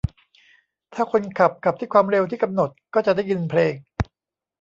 ถ้าคนขับขับที่ความเร็วที่กำหนด ก็จะได้ยินเพลง